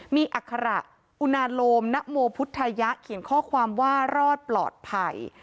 มีอัคระอุนาโลมนโมพุทธยะเขียนข้อความว่ารอดปลอดภัย